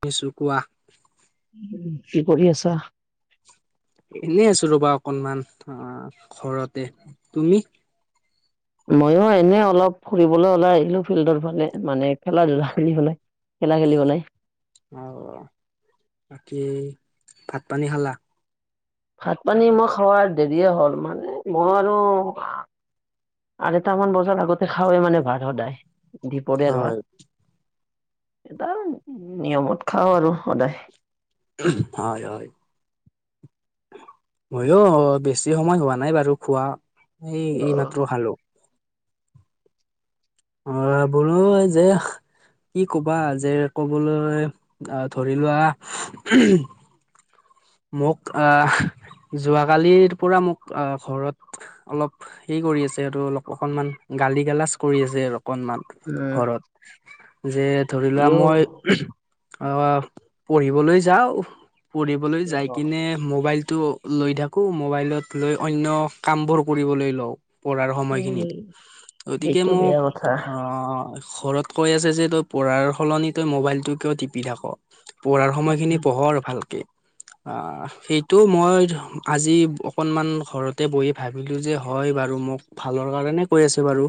শচো কোৱা? উ, কি কৰি আছা? এনে আছো ৰ'বা অকনমান অ, ঘৰতে তুমি? ময়ো এনে অলপ ফুৰিবলৈ ওলাই আহিলো, ফিল্ডৰ ফালে মানে খেলা, ধূলা কৰি পাই। খেলা, খেলিব নাই। অ, বাকী ভাত, পানী খালা? ভাত, পানী মই খাৱ দেৰিয়ে হ'ল, মানে মই আৰু আৰুটামান বছৰ আগতে, খাওে মানে ভাত সদায় দুপৰীয়ৰ হয় ভাত। এটা নিয়মত খাওঁ আৰু সদায়। হয়, হয়। ময়ো বেছি সময় হোৱা নাই বাৰু খোৱা। এই, অ', এইমাত্ৰ ভালো। অ, বোলো যে কি কবা যে কবলৈ আহ ধৰি লোৱা। মোক, আহ। যোৱ কালিৰ পৰা মোক অ, ঘৰত অলপ হে কৰি আছে আৰু অল অকনমান গালি, গালাজ কৰি আছে অলপ। অকনমান উম ঘৰত যে ধৰি লোৱা ইও মই। অ, পঢ়িবলৈ যাওঁ। পঢ়িবলৈ অ যাই কিনে মোবাইল তটো লৈ থাকো, মোবাইলত লৈ অন্য কামবোৰ কৰিবলৈ লওঁ। পঢ়াৰ এই সময়খিনিত গতিকে এইটো বেয়া মোক কথা ঘৰত কৈ আছে যে তই পঢ়াৰ সলনি তই মোবাইলটো কিয় টিপি থাক? পঢ়াৰ সময়খিনি পঢ় ভালকে। অ সেইটো মই আজি অকনমান ঘৰতে বঢ়ি ভাবিলো যে হয় বাৰু। মোক ভালৰ কাৰণে কৈ আছে বাৰু।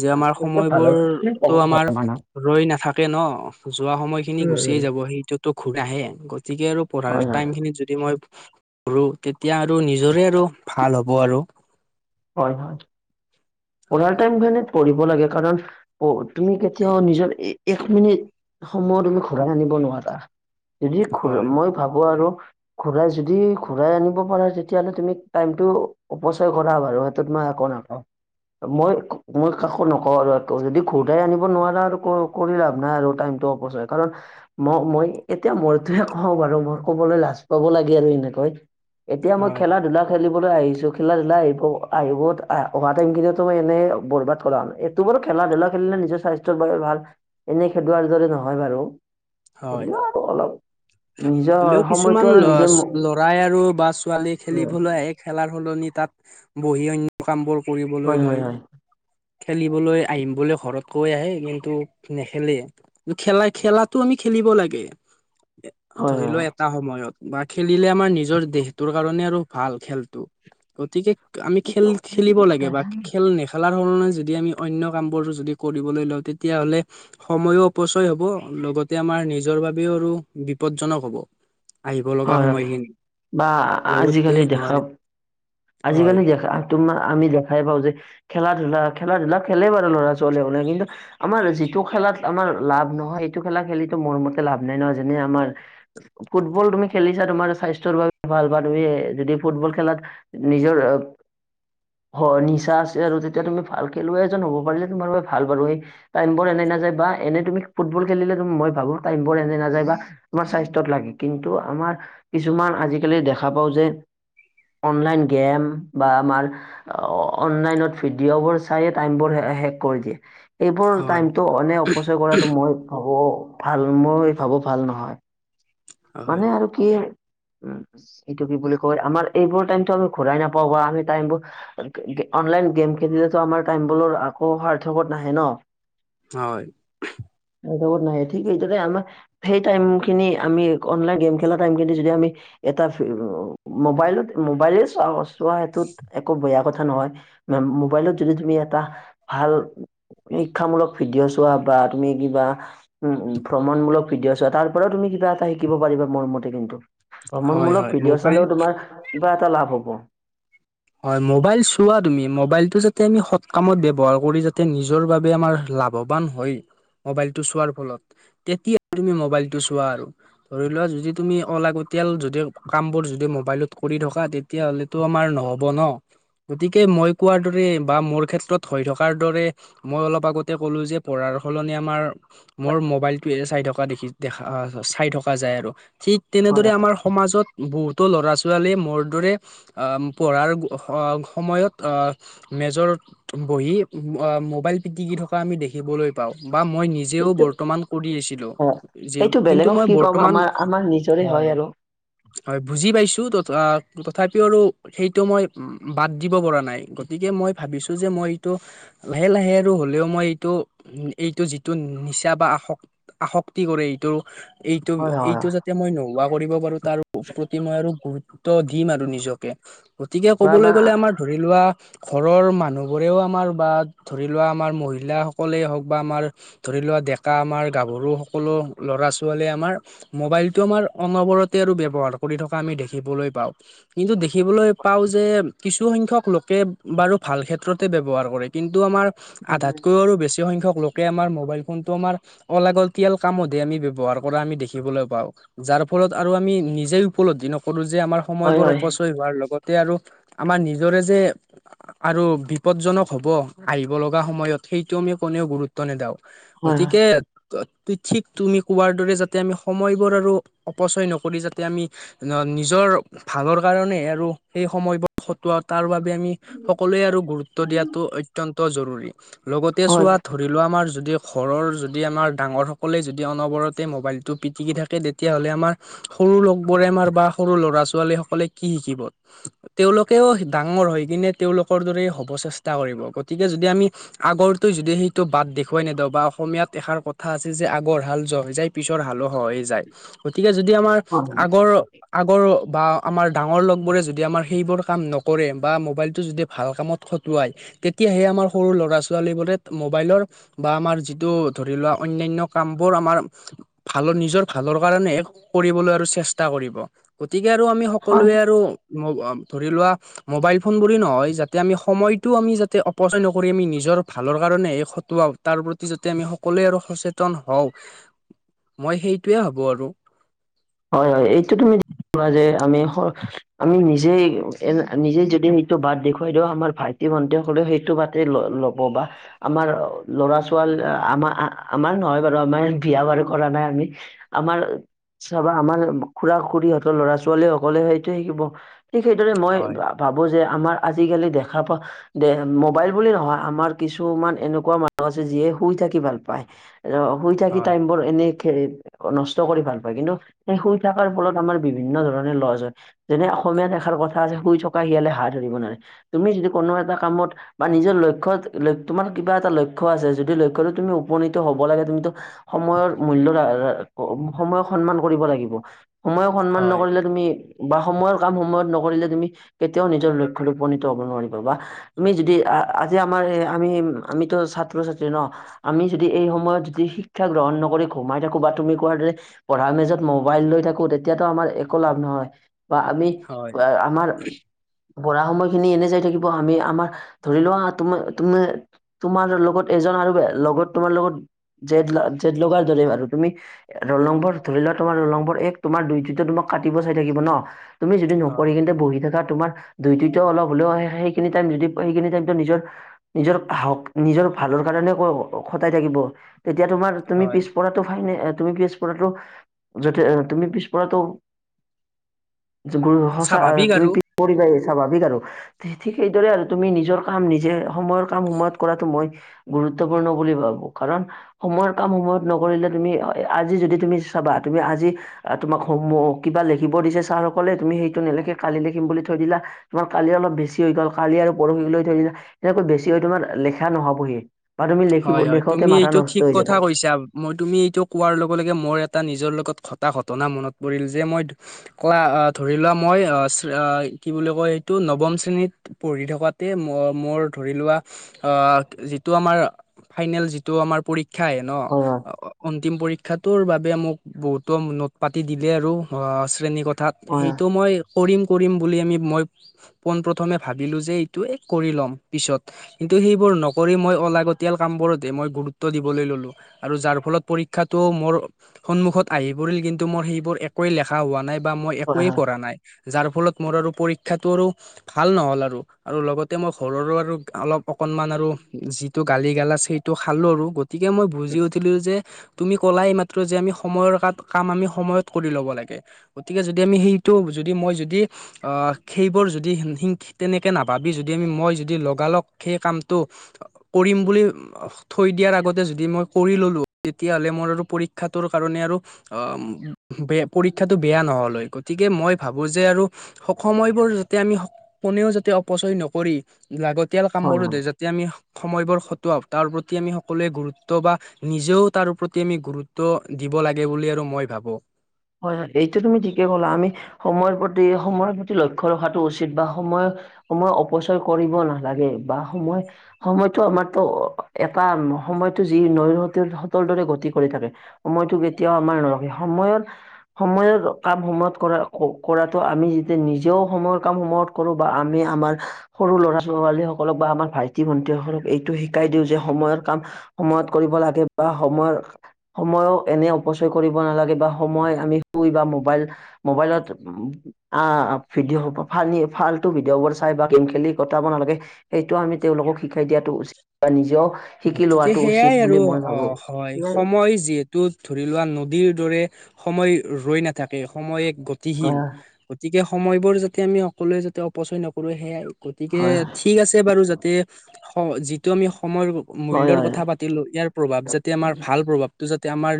যে আমাৰ এইটো ভালৰ ক্ষেত্ৰত সময়বোৰতো ক'ব আমাৰ হয় মানুহ ৰৈ নাথা কে ন যোৱা সময়খিনি উম গুচিয়েই উম যাব সেইটোতো ঘূৰি নাহে গতিকে আৰু পঢ়াৰ হয় হয় টাইমখিনি যদি মই পঢ়ো তেতিয়া আৰু নিজৰে আৰু ভাল হ'ব আৰু। হয় পঢ়াৰ হয় টাইমখিনিত পঢ়িব লাগে কাৰণ তুমি কেতিয়াও নিজৰ এক মিনিট সময় তুমি ঘূৰাই আনিব নোৱাৰা। যি ঘূ হয় মই ভাবো আৰু। যদি ঘুৰাই আনিব পাৰা তেতিয়াহ'লে তুমি টাইমটো অপচয় ক ৰা বাৰু সেইটোত মই একো নকও। মই মই কাকো নকওঁ আৰু একো যদি ঘূৰাই আনিব নোৱাৰা আৰু কৰি লাভ নাই আৰু টাইম টো অপচয় কাৰণ মই মই এতিয়া মইতোহে কওঁ বাৰু মই ক'বলৈ লাজ পাব লাগে আৰু এনেকৈ। এতিয়া মই হয় খেলা-ধূলা খেলিবলৈ আহিছো খেলা-ধূলা আহি অ আহিব অহা টাইমখিনিটো মই এনেই বৰবাদ কৰা হ'ল এইটো বাৰু খেলা-ধূলা খেলিলে নিজৰ স্বাস্থ্য ৰ কাৰনে ভাল এনেই সেইটো আনৰ দৰে নহয় বাৰু হয় হলেও আৰু অলপ নিজৰ হ'লেও সময়টো কিছুমান আৰু নিজে ল'ৰাই আৰু বা ছোৱালী হয় খেলিবলৈ আহে খেলাৰ সলনি তাত বঢ়ি অন্য কামবোৰ কৰিবলৈ হয় হয় লয়। হয় খেলিবলৈ আহিম বুলি ঘৰত কৈ আহে কিন্তু নেখেলে খেলাই খেলাত তো আমি খেলিব লাগে হয় ধৰি লোৱা হয় এটা সময়ত। বা খেলিলে আমাৰ নিজৰ দেহটোৰ কাৰণে আৰু ভাল খেলটো গতিকে আমি খেল সেইটো সেইটো খেলিব ঠিক কথা। লাগে বা হয় খেল নেখেলা [unintelligible] ণে যদি আমি অন্য কামবোৰ যদি কৰিবলৈ লওঁ তেতিয়াহ'লে সময়ো অপচয় হ'ব লগত তে আমাৰ নিজৰ বাবেও আৰু বিপদজনক হ'ব। আহিব লগা হয় সময়খিনি বা লগতে আজিকালি দেখা হয় হয় আজিকালি দেখা তোমাৰ আমি দেখাই পাওঁ যে খেলা-ধূলা খেলা-ধূলা খেলেই বাৰু ল'ৰা-ছোৱালীসকলে কিন্তু আমাৰ যিটো খে খেলাত আমাৰ লাভ নহয় সেইটো খেলা খেলিটো মোৰ মতে লাভ নাই নহয় যেনে আমাৰ ফুটবল তুমি খেলিছা তোমাৰ স্বাস্থ্যৰ বাবে ভাল বা তুমি যদি ফুটবল খেলাত নিজৰ হয় নিচা আছে আৰু যেতিয়া তুমি ভাল খেলুৱৈ এজন হ'ব পাৰিলে তোমাৰ বাবে ভাল বাৰু এই টাইমবোৰ এনে নাযায় বা এনেই তুমি ফুটবল খেলিলে তুমি মই ভাবো টাইমবোৰ এনে নাযায় বা তোমাৰ স্বাস্থ্যত লাগে কিন্তু আমাৰ কিছুমান আজিকালি দেখা পাও যে অনলাইন গেম বা আমাৰ অনলাইনত ভিডিঅ' বোৰ চাইয়ে টাইমবোৰ শেষ শেষ কৰি দিয়ে এইবোৰ হয় টাইমটো এনেই অপচয় কৰাটো মই ভাবো ভাল মই ভাবো ভাল নহয়। হয় হয় মানে আৰু কি উম এইটো কি বুলি কয় আমাৰ এইবোৰ টাইমটো আমি ঘূৰাই নাপাওঁ বা আমি টাইমবোৰ [unintelligible] অনলাইন গেম খেলিলেটো আমাৰ টাইমবোৰ আকৌ সাৰ্থকত নাহে ন। হয়। সৰ্থকত নাহে ঠিক সেইদৰে আমাৰ সেই টাইমখিনি আমি অনলাইন গেম খেলা টাইমখিনি যদি আমি এটা মোবাইলত মোবাইলেই চাও তোমাৰ সেইটোত একো বেয়া কথা নহয় মোবাইলত যদি তুমি এটা ভাল শিক্ষামূলক ভিডিঅ' চোৱা বা তুমি কিবা উম ভ্ৰমণমূলক ভিডিঅ' চোৱা তাৰ পৰাও তুমি কিবা এটা শিকিব পাৰিবা মোৰ মতে কিন্তু হয় ভ্ৰমণমূলক হয় ভিডিঅ' মোবাইল চালেও তোমাৰ কিবা এটা লাভ হ'ব। হয় মোবাইল চোৱা তুমি মোবাইলটো যাতে সৎ কামত ব্যৱহাৰ কৰি যাতে নিজৰ বাবে আমাৰ লাভৱান হয়। ম'বাইলটো চোৱাৰ ফলত তেতিয়া তুমি মবাইলটো চোৱা আৰু ধৰি লোৱা যদি তুমি অলাগতিয়াল ততিয়াল যদি কামবোৰ যদি মোবাইলত কৰি থকা তেতিয়াহ'লেতো আমাৰ নহ'ব ন? গতিকে মই কোৱাৰ দৰে বা মোৰ ক্ষেত্ৰত হৈ থকাৰ দৰে মই অলপ আগতে কলো যে পঢ়াৰ সলনি আমাৰ মোৰ হয় মবাইলটো চাই থকা দেখি দেখা চাই থকা যায় আৰু ঠিক হয় তেনেদৰে হয়। আমাৰ সমাজত বহুতো ল'ৰা ছোৱালীয়ে মোৰ দৰে আহ পঢ়াৰ সময়ত মেজত বহি অ মোবাইল পিটিকি থকা আমি দেখিবলৈ পাওঁ। বা মই নিজেও এইটো বৰ্তমান কৰি আছিলোঁ অ যে এইটো কিন্তু বেলেগক কি মই ক'ম বৰ্তমান আমাৰ আমাৰ নিজৰে হয় আৰু হয় বুজি পাইছো তথাপি সেইটো মই বাদ দিব পৰা নাই গতিকে মই ভাবিছো যে মই এইটো লাহে লাহে আৰু হ'লেও মই এইটো এইটো যিটো নিচা বা আস-আসক্তি কৰে এইটো এইটো হয় হয় এইটো হয়। যাতে মই নোহোৱা কৰিব পাৰো তাৰ প্ৰতি মই আৰু গুৰুত্ব দিম আৰু নিজক। গতিকে বা কবলৈ গ'লে আমাৰ বা ধৰি লোৱা ঘৰৰ মানুহ বোৰেও আমাৰ বা ধৰি লোৱা আমাৰ মহিলাাসকলেই হওঁক বা আমাৰ ধৰি লোৱা ডেকা আমাৰ গাভৰু সকলো ল'ৰা-ছোৱালী আমাৰ মোবাইলতটো আমাৰ অনবৰতে আৰু ব্যৱহা কৰি থকা আমি দেখিবলৈ পাওঁ। কিন্তু দেখিবলৈ পাওঁ যে, কিছুসংখ্যক লোকে বাৰু ভাল ক্ষেত্ৰতে ব্যৱহাৰ কৰে কিন্তু আমাৰ আধাতকৈ আৰু বেছি সংখ্যক লোকে আমাৰ মোবাইল ফোন টো আমাৰ অলাগলতিয়াল কামতহে আমি ব্যৱহাৰ কৰা আমি দেখিবলৈ পাওঁ। যাৰ ফলত আৰু আমি নিজেই উপলব্ধি নকৰোঁ যে আমাৰ হয়, সময়বোৰ হয়, অপচয় হোৱাৰ লগত তে আৰু আমাৰ নিজৰে যে আৰু বিপদজনক হ'ব আহিব লগা সময়ত সেইটো আমি কোনেও গুৰুত্ব নেদাওঁ। হয়, হয়, গতিকে ঠিক তুমি কোৱাৰ দৰে যাতে আমি সময়বোৰ আৰু অপচয় নকৰি যাতে আমি নিজৰ ভালৰ কাৰণে আৰু সেই সময়বোৰ খটোৱা তাৰ বাবে আমি সকলোৱে আৰু গুৰুত্ব দিয়াটো অত্যন্ত জৰুৰী। লগতে হয়, চোৱা ধৰি লোৱা, আমাৰ যদি ঘৰৰ যদি আমাৰ ডাঙৰসকলে যদি অনবৰতে মোবাইলটো পিটিকি থাকে তেতিয়াহ'লে আমাৰ সৰু লগ বোৰে আমাৰ বা সৰু ল'ৰা ছোৱালীসকলে কি শিকিব? তেওঁলোকেও ডাঙৰ হৈ কিনে তেওঁলোকৰ দৰে হ'ব চেষ্টা কৰিব গতিকে যদি যদি আমি, আগৰটো যদি সেইটো বাট দেখুৱাই নিদিওঁ বা অসমীয়াত এষাৰ কথা আছে যে আগৰ হাল যোৱা যায়, পিছৰ হালো হয়ে যায়। গতিকে যদি আমাৰ হয়, আগৰ আগৰ বা আমাৰ ডাঙৰ লগবোৰে যদি আমাৰ সেইবোৰ কাম নকৰে বা মোবাইলটো যদি ভাল কামত খটোৱাই তেতিয়াহে আমি আমাৰ সৰু ল'ৰা-ছোৱালীবোৰে মোবাইলৰ বা আমাৰ যিটো ধৰি লোৱা অন্যান্য কামবোৰ আমাৰ ভালৰ নিজৰ ভালৰ কাৰণে কৰিবলৈ আৰু চেষ্টা কৰিব গতিকে আৰু আমি হয়। সকলোৱে আৰু ধৰি লোৱা মোবাইল ফোন বুলি নহয় যাতে আমি সময়তো আমি যাতে অপচয় নকৰি আমি নিজৰ নিজৰ ভালৰ কাৰণে খটোৱাক তাৰ প্ৰতি যাতে আমি সকলোৱে আৰু সচেতন হওঁ মই সেইটোোৱে ভাবো আৰু হয় - হয়। এইটো তুমি ঠিক ক'লা যে আমি -আমি নিজেই - নিজে যদি সেইটো বাট দেখুৱাই দিওঁ আমাৰ ভাইটি ভণ্টি হতে সেইটো বাটে ল - ল'ব বা আমাৰ ল'ৰা- ছোৱালী আমাৰ আমাৰ নহয় বাৰু আমাৰ বিয়া বাৰু কৰা নাই আমি আমাৰ বা আমাৰ খুৰা - খুৰীহঁতৰ লৰা -ছোৱালী সকলে সেইটোৱে শিকিব। ঠিক সেইদৰে মই হয় ভাবো যে আমাৰ আজিকালি দেখা পোৱা, দে মোবাইল বুলি নহয় আমাৰ কিছুমান এনেকুৱা মানুহ আছে যিয়ে শুই থাকি ভাল পায়, শুই থাকি হয় টাইম বোৰ এনে কে নষ্ট কৰি ভাল পায়। কিন্তু, সেই শুই থকাৰ ফলত আমাৰ বিভিন্ন ধৰণৰ লষ্ট হয় যেনে অসমীয়া এষাৰ কথা আছে শুই থকা শিয়ালে হাঁহ ধৰিব নোৱাৰে। তুমি যদি কোনো এটা কামত বা নিজৰ লক্ষ্যত তোমাৰ কিবা এটা লক্ষ্য আছে, যদি লক্ষ্য তুমি উপনীত হ'ব লাগে তুমিতো সময়ৰ মূল্য ৰাখি সময় সন্মান কৰিব লাগিব। সময়ক সন্মান হয় নকৰিলে তুমি বা সময়ৰ কাম সময়ত নকৰিলে, তুমি কেতিয়াও নিজৰ লক্ষ্যত উপনীত হ'ব নোৱাৰিবা বা তুমি যদি আজি, আমাৰ আমি আমিতো ছাত্ৰ -ছাত্ৰী ন আমি যদি এই সময়ত যদি শিক্ষা গ্ৰহণ ন কৰি সোমাই থাকো বা তুমি কোৱাৰ দৰে পঢ়া মেজত মোবাইল লৈ থাকো, তেতিয়াতো আমাৰ একো লাভ নহয়। বা আমি, হয় আমাৰ পঢ়া সময়খিনি এনে যাই থাকিব, আমি আমাৰ ধৰি লোৱা তোমা -তোমা-তোমাৰ লগত এজন আৰু লগত তোমাৰ লগত জেদ -জেদ লগাৰ দৰে আৰু তুমি ৰুলনম্বৰ ধৰি লোৱা, তোমাৰ ৰুলনম্বৰ এক তোমাৰ, দুই কিটাই তোমাক কাটিব চাই থাকিব ন? তুমি যদি হয় নকৰি কিনে বহি থকা [unintelligible] ভালৰ কাৰণে খটাই থাকিব। তেতিয়া তোমাৰ তুমি হয় পিছপৰাটো ফাইনে তুমি পিছপৰাটো যাতে তুমি পিছপৰাটো [inaudible] সঁচা স্বাভাৱিক তুমি আৰু পিছ পৰিবাই। স্বাভাৱিক আৰু ঠিক সেইদৰে আৰু তুমি নিজৰ কাম নিজে সময়ৰ কাম সময়ত কৰাটো মই গুৰুত্ব গুৰুত্বপূৰ্ণ বুলি ভাবো কাৰণ সময়ৰ কাম সময়ত নকৰিলে তুমি আজি যদি তুমি চাবা তুমি আজি তোমাক কিবা লিখিব দিছে ছাৰসকলে তুমি সেইটো নিলিখি, কালি লিখিম বুলি থৈ থৈ দিলা তোমাৰ কালি অলপ বেছি হৈ গ'ল, কালি আৰু পৰহিলৈ থৈ দিলা এনেকৈ বেছি হৈ তোমাৰ লিখা নহবই। হয়- হয়। তুমি এইটো ঠিক কথা কৈছা, মই তুমি এইটো কোৱাৰ লগে- লগে মোৰ এটা নি- নিজৰ লগত ঘটা ঘটনা মনত পৰিল যে মই ক ধৰি [unintelligible] বুলি কয় সেইটো নৱম শ্ৰেণীত পঢ়ি থকাতে ম-মোৰ ধৰি লোৱা আহ, যিটো আমাৰ ফাইনেল যিটো আমাৰ পৰীক্ষা আহে হয় ন তিম পৰীক্ষাটোৰ বাবে মোক বহুতো নোট পাতি দিলে আৰু শ্ৰেণীক ক্ষাত হয় হয় হয় সেইটো মই কৰিম কৰিম বুলি, আমি মই পোন প্ৰ্থমে ভাবিলোঁ যে এইটোোৱে কৰি ল'ম পিছত, কিন্ত সেইবোৰ নকৰি মই অলাগত তিয়াল কামবোৰতে মই গুৰুত্ব দিবলৈ ললো, আৰু যাৰ ফলত পৰীক্ষাটো মোৰ সন্মুখত আহ পৰিল কিন্তু মোৰ সেইবোৰ একোৱ লিখা হোৱা নাই বা মই হয় একোৱে হয় পঢ়া নাই যাৰ ফলত মোৰ আৰু পৰীক্ষাটো আৰু ভাল নহ'ল আৰু, আৰু লগতে মই ঘৰৰো আৰু অলপ অকণমান আৰু যি- টো গালি গালাচ সেইটো খালোঁ আৰু গতিকে মই বুজি উঠিলো যে তুমি ক'লাই মাত্ৰ যে আমি সময়ৰ কা-কাম আমি সময়ত কৰি ল'ব লাগে। গতিকে যদি আমি সেইটো যদি মই যদি আ, সেইবোৰ যদি তেনেকে নাভাবি যদি আমি মই যদি লগালক সেই কামটো কৰিম বুলি থৈ দিয়াৰ আগতে যদি মই কৰি ল'লোঁ। তেতিয়াহ'লে মোৰ আৰু পৰীক্ষাটোৰ কাৰণে আৰু অ, বে পৰীক্ষাটো বেয়া নহল হয়। গতিকে মই ভাবো যে আৰু স-সময়বোৰ যাতে আমি কোনেও যাতে অপচয় নকৰি লাগতিয়াল কাম হয় হয়। বোৰোতে যদি আমি স-সময়বোৰ খতোৱা তাৰ প্ৰ আমি সকলোঁৱে গুৰুত্ব বা নিজেও তাৰ প্ৰতি আমি গুৰুত্ব দিব লাগে বুলি আৰু মই ভাবো। হয়, হয়, এইটো তুমি ঠিকে ক'লা। আমি সময়ৰ প্ৰতি সময়ৰ প্ৰতি লক্ষ্য ৰখাটো উচিত বা সময় সময় অপচয় কৰিব নালাগে, বা সময়-সময়তো মাত্ৰ এটা সময়তটো যি নৈ সতৰ দৰে গতি কৰি থাকে সময়তটো কেতিয়াও আমাৰ নৰখে সময়ত সময়ৰ কাম সময়ত কৰা-ক-কৰাতটো আমি যেতিয়া নিজেও সময়ৰ কাম সময়ত কৰো বা আমি আমাৰ সৰু ল'ৰা ছোৱালী সকলক বা আমাৰ ভাইটি ভন্টি সকলক এইটো শিকাই দিওঁ যে সময়ৰ কাম সময়ত কৰিব লাগে, বা সময়ত সময়ো এনে অপচয় কৰিব নালাগে বা [unintelligible] ভিডিঅ' বোৰ চাই বা গেম খেলি কটাব নালাগে। সেইটো আমি তেওঁলোকক শিকাই দিয়াটো উচিত বা নিজেও শিকি গতিকে লোৱাটো উচিত সেইয়াই বুলি আৰু, মই অ, ভাবো হয়, সময় যিহেতু ধৰি লোৱা নদীৰ দৰে সময় ৰৈ নাথাকে, সময় এক গতিশীল। গতিকে স সময়বোৰ যাতে আমি সকলোৱে যাতে অপচয় নকৰোঁ। সেয়াই আৰু গতিকে হয় ঠিক আছে বাৰু। যাতে স যিটো আমি সময়ৰ হয় মূল্যৰ হয় কথা পাতিলোঁ, ইয়াৰ প্ৰভাৱ যাতে আমাৰ ভাল প্ৰভাৱটো যাতে তে আমাৰ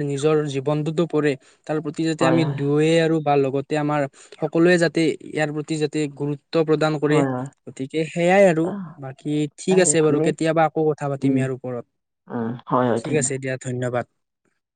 জীৱনটোতো পৰেই তৰপতি যাতে হয় হয় আমি দুয়োৱে আৰু বা লগতে আমাৰ সকলোৱে যাতে ইয়াৰ প্ৰতি যাতে গুৰুত্ব ত্ব প্ৰদান কৰে হয় হয় হয় হয় গতিকে সেয়াই আৰু, বাকী ঠিক হয় আছে বাৰু আমি কেতিয়াবা আকৌ কথা পা তিম উম ইয়াৰ ওপৰত। উম হয় হয় ঠিক ধন্যবাদ আছে দিয়া ধন্যবাদ।